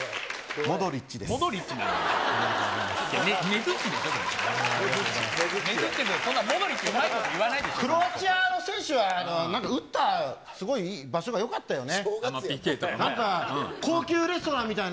モドリッチはそんなこと言わクロアチアの選手は、なんか打った、すごい場所がよかったよね。